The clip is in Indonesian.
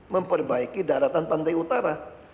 memperbaiki daratan pantai utara